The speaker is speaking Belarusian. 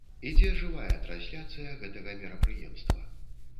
Ідзе жывая трансляцыя гэтага мерапрыемства.